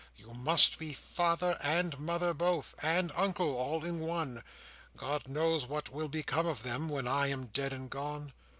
"You must be father and mother both, And uncle, all in one; God knows what will become of them When I am dead and gone."